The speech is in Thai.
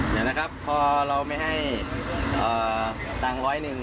เดี๋ยวนะครับพอเราไม่ให้ตังค์ร้อยหนึ่ง